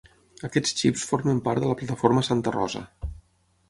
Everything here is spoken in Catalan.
Aquests xips formen part de la plataforma Santa Rosa.